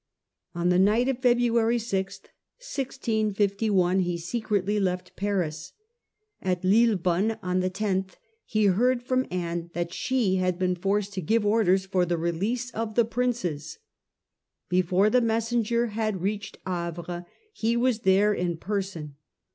On the night of February 6, 1 65 1, he secretly left Paris. At Lillebonne, on the 10th, he heard Release of * rom Anne that she had been forced to give the Princes, orders for the release of the Princes. Before the messenger had reached Havre he was there in per son.